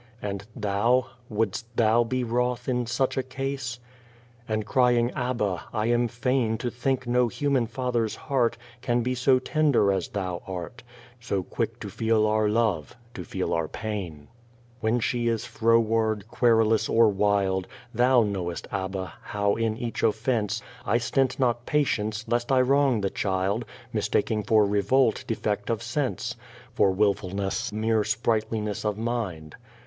And Thou wouldst Thou be wroth in such a case ? And crying Abba, I am fain To think no human father's heart Can be so tender as Thou art, So quick to feel our love, to feel our pain. When she is froward, querulous, or wild, Thou knowest, Abba, how, in each offence, 8 The Child Face I stint not patience, lest I wrong the child, Mistaking for revolt defect of sense, For wilfulness mere sprightliness ef mind.